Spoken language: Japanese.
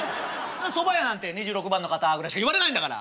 そば屋なんて「２６番の方」ぐらいしか言われないんだから！